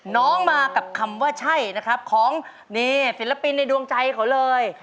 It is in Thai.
น้องมากับคำว่าใช่ของศิลปินในดวงใจเขาเลย